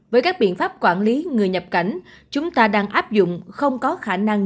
với các biện pháp quản lý người nhập cảnh chúng ta đang áp dụng không có khả năng